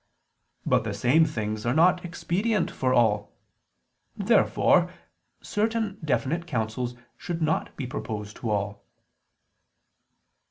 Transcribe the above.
But the same things are not expedient for all. Therefore certain definite counsels should not be proposed to all.